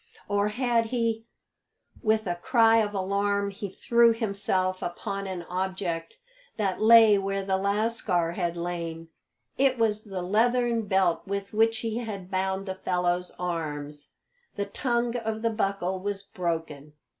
Or had he With a cry of alarm he threw himself upon an object that lay where the lascar had lain. It was the leathern belt with which he had bound the fellow's arms. The tongue of the buckle was broken.